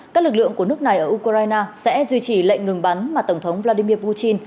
các lực lượng của nước này ở ukraine sẽ duy trì lệnh ngừng bắn mà tổng thống vladimir putin